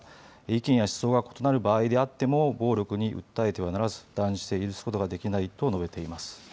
意見や思想が異なる場合でも暴力に訴えてはならず断じて許すことはできないと述べています。